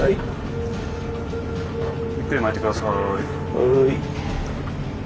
はい。